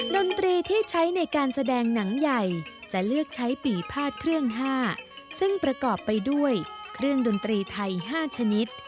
ดนตรีที่ใช้ในการแสดงหนังใหญ่จะเลือกใช้ปีพาดเครื่อง๕ซึ่งประกอบไปด้วยเครื่องดนตรีไทย๕ชนิด